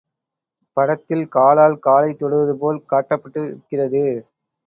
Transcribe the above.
படத்தில் காலால் காலைத் தொடுவது போல் காட்டப்பட்டிருக்கிறது.